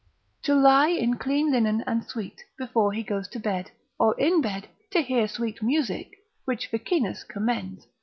To lie in clean linen and sweet; before he goes to bed, or in bed, to hear sweet music, which Ficinus commends, lib.